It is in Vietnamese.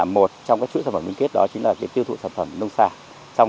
một trong các chuỗi sản phẩm liên kết đó chính là tiêu thụ sản phẩm nông sản